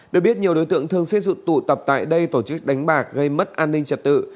được biết nhiều đối tượng thường xuyên tụ tập tại đây tổ chức đánh bạc gây mất an ninh trật tự